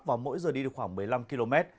và mỗi giờ đi được khoảng một mươi năm km